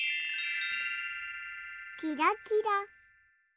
キラキラ。